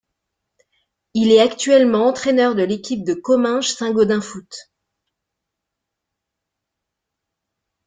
Il est actuellement entraîneur de l'équipe de Comminges Saint-Gaudens Foot.